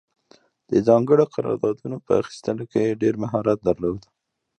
د ځانګړو قراردادونو په اخیستلو کې یې ډېر مهارت درلود.